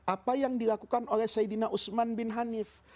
apa yang dilakukan oleh saidina usman bin hanif